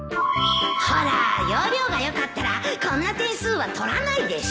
ほら要領が良かったらこんな点数は取らないでしょう？